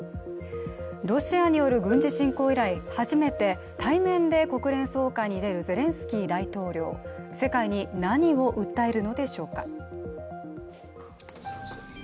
ロシアによる軍事侵攻以来、初めて対面で国連総会に出るゼレンスキー大統領、世界に何を訴えるのでしょうか。